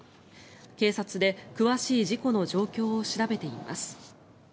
警察で詳しい事故の状況を調べています。